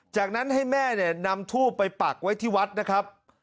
จากนั้นให้แม่เนี่ยนำทูบไปปักไว้ที่วัดนะครับ